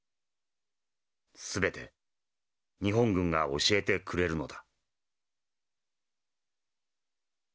全て日本軍が教えてくれるのだ」。